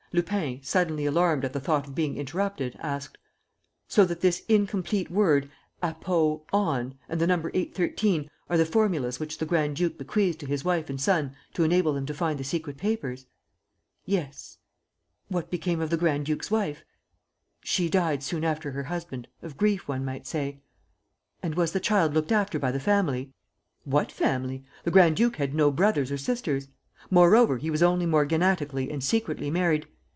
Lupin, suddenly alarmed at the thought of being interrupted, asked: "So that this incomplete word 'APO ON' and the number 813 are the formulas which the grand duke bequeathed to his wife and son to enable them to find the secret papers?" "Yes." "What became of the grand duke's wife?" "She died soon after her husband, of grief, one might say." "And was the child looked after by the family?" "What family? The grand duke had no brothers or sisters. Moreover, he was only morganatically and secretly married.